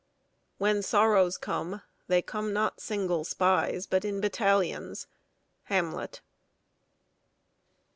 When sorrows come, they come not single spies, But in battalions. HAMLET.